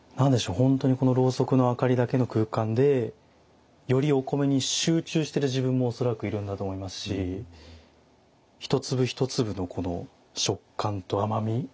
本当にこのろうそくの明かりだけの空間でよりお米に集中してる自分も恐らくいるんだと思いますし一粒一粒のこの食感と甘み。